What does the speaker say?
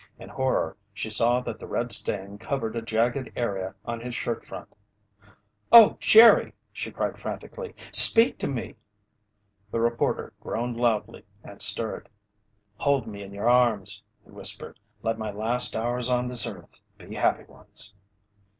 In horror, she saw that the red stain covered a jagged area on his shirt front. "Oh, Jerry!" she cried frantically. "Speak to me!" The reporter groaned loudly and stirred. "Hold me in your arms," he whispered. "Let my last hours on this earth be happy ones."